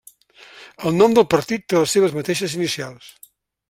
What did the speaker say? El nom del partit té les seves mateixes inicials.